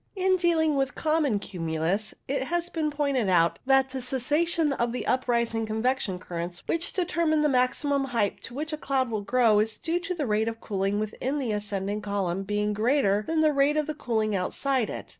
105 p io6 CUMULO NIMBUS In dealing with common cumulus, it has been pointed out that the cessation of the uprising convection currents which determines the maximum height to which the cloud will grow is due to the rate of cooling within the ascending column being greater than the rate of cooling outside it.